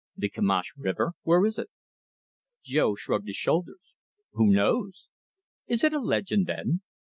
"The Kimash River where is it?" Jo shrugged his shoulders. "Who knows!" "Is it a legend, then?"